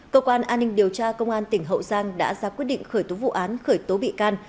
cơ quan an ninh điều tra công an tỉnh hậu giang đã ra quyết định khởi tố vụ án khởi tố bị can